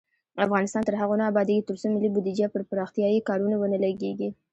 افغانستان تر هغو نه ابادیږي، ترڅو ملي بودیجه پر پراختیايي کارونو ونه لګیږي.